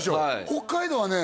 北海道はね